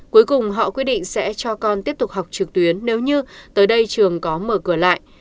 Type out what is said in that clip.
cuối cùng họ quyết định sẽ cho con tiếp tục học trực tuyến nếu như tới đây trường có mở cửa lại